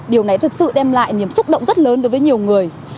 điều này thực sự đem lại niềm xúc động rất lớn đối với nhiều người